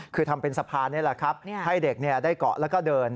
คือทำเป็นสะพานนี่แหละครับให้เด็กได้เกาะแล้วก็เดิน